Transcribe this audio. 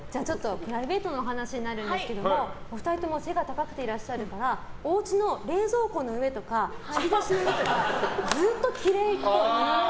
プライベートのお話になるんですけどお二人とも背が高くていらっしゃるからおうちの冷蔵庫の上とか引き出しの上とかずっときれいっぽい。